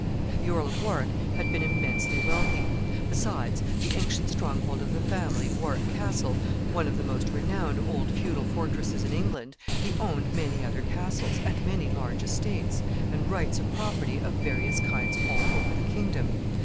The Earl of Warwick had been immensely wealthy. Besides the ancient stronghold of the family, Warwick Castle, one of the most renowned old feudal fortresses in England, he owned many other castles, and many large estates, and rights of property of various kinds all over the kingdom.